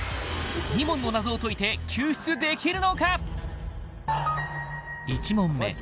２問の謎を解いて救出できるのか！？